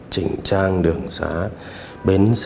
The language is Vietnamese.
chỉnh trang đường xá bến xe nhà ga sân bay